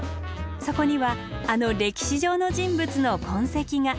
そこにはあの歴史上の人物の痕跡が。